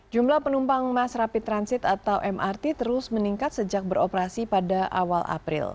jumlah penumpang mass rapid transit atau mrt terus meningkat sejak beroperasi pada awal april